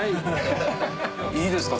いいですか？